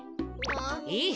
えっ？